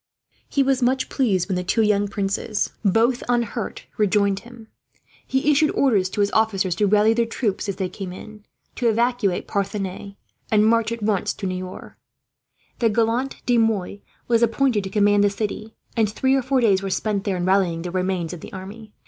He was much pleased when the two young princes, both unhurt, rejoined him. He issued orders to his officers to rally their troops as they came in, to evacuate Parthenay, and march at once to Niort. The gallant De Mouy was appointed to command the city, and three or four days were spent there in rallying the remains of the army.